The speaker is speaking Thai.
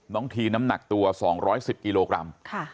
ทีน้ำหนักตัว๒๑๐กิโลกรัม